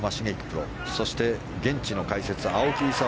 プロそして現地の解説、青木功